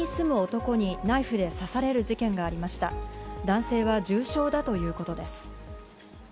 男性は重傷だということです。